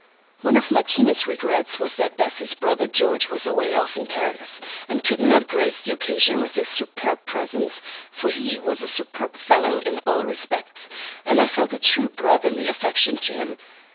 One of my keenest regrets was that Bessie's brother George was away off in Paris, and could not grace the occasion with his superb presence; for he was a superb fellow in all respects, and I felt a true brotherly affection for him.